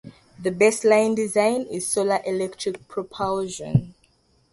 The baseline design is solar electric propulsion.